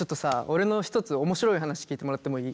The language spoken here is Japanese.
俺の一つ面白い話聞いてもらってもいい？